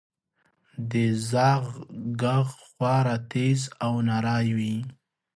• د زاغ ږغ خورا تیز او نری وي.